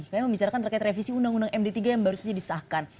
kami membicarakan terkait revisi undang undang md tiga yang baru saja disahkan